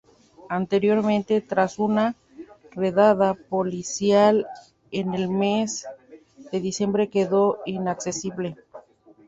Anteriormente, tras una redada policial en el mes de diciembre quedó inaccesible.